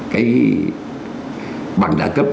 cái bằng đáng cấp